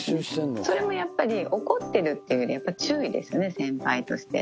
それもやっぱり、怒ってるっていうより、やっぱり注意ですね、先輩として。